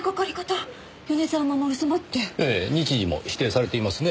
日時も指定されていますねぇ。